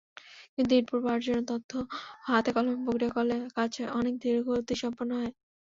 কিন্তু ইনপুট পাওয়ার তথ্য হাতে-কলমে প্রক্রিয়া করলে কাজ অনেক ধীরগতিসম্পন্ন হয়।